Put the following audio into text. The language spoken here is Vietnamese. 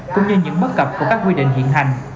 cũng như những bất cập của các quy định hiện hành